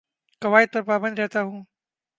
قوائد پر پابند رہتا ہوں